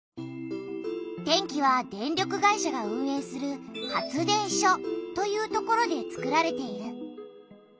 電気は電力会社が運営する発電所という所でつくられている。